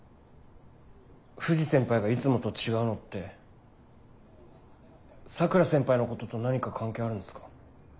藤先輩がいつもと違うのって桜先輩のことと何か関係あるんですか？